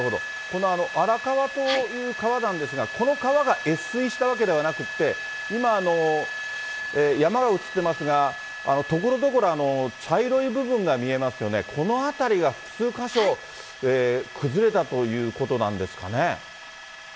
この荒川という川なんですが、この川が越水したわけではなくて、今、山が映ってますが、ところどころ、茶色い部分が見えますよね、この辺りが複数箇所、崩れたということなんですかね。